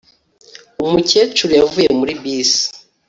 Umukecuru yavuye muri bisi